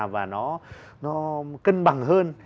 và nó cân bằng hơn